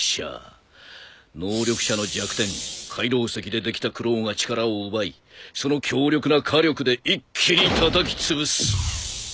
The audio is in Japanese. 能力者の弱点海楼石でできたクローが力を奪いその強力な火力で一気にたたきつぶす。